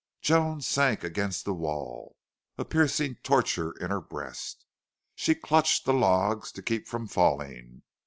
Joan sank against the wall, a piercing torture in her breast. She clutched the logs to keep from falling.